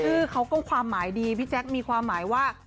ชื่อเขาก็ความหมายดีพี่แจ๊คมีความหมายว่า